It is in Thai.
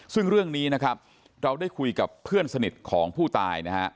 ซึ่งเรื่องนี้นะครับเราได้คุยกับเพื่อนสนิทของผู้ตายนะฮะ